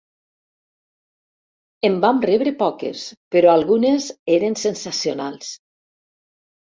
En vam rebre poques, però algunes eren sensacionals.